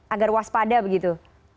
agar waspada begitu